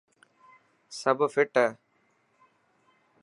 سب فٽ هي.